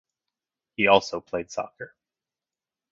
He also played soccer.